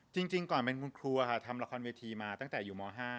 จริงก่อนเป็นคุณครูค่ะทำละครเวทีมาตั้งแต่อยู่ม๕